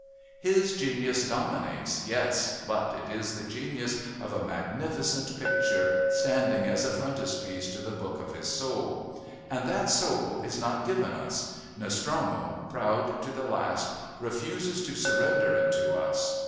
His genius dominates, yes but it is the genius of a magnificent picture standing as a frontispiece to the book of his soul. And that soul is not given us Nostromo, proud to the last, refuses to surrender it to us.